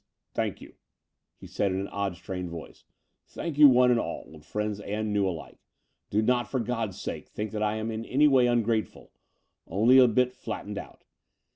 Thank you," he said in an odd, strained voice, thank you one and all, old friends and new alike. Do not, for God's sake, think that I am in any way tmgrateful — only a bit flattened out.